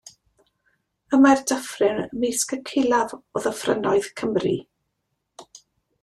Y mae'r dyffryn ymysg y culaf o ddyffrynnoedd Cymru.